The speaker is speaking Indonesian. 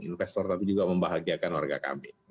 investor tapi juga membahagiakan warga kami